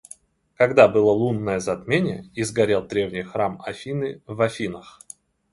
когда было лунное затмение и сгорел древний храм Афины в Афинах